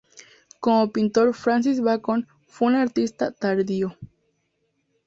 Como pintor, Francis Bacon fue un artista tardío.